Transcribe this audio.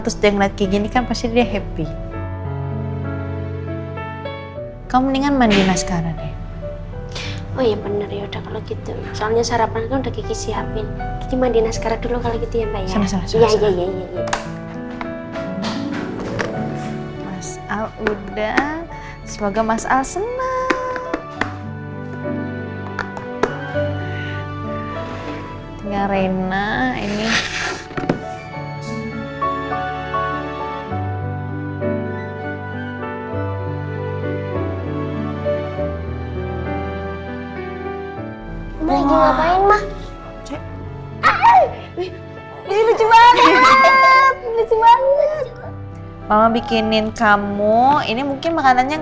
terus dia ngeliat kiki ini kan